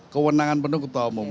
kewenangan penuh ketua umum